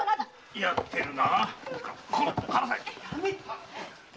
やってるな。